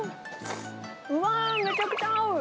うわー、めちゃくちゃ合う。